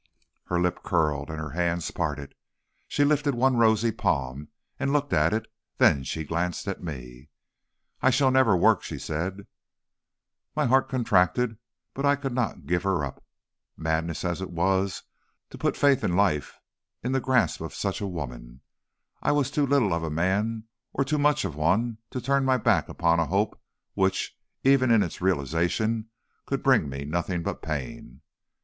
"Her lip curled and her hands parted. She lifted one rosy palm and looked at it, then she glanced at me. "'I shall never work,' she said. "My heart contracted, but I could not give her up. Madness as it was to put faith and life in the grasp of such a woman, I was too little of a man or too much of a one to turn my back upon a hope which, even in its realization, could bring me nothing but pain.